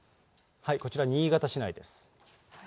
こちら、新潟市内です。